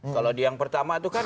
kalau di yang pertama itu kan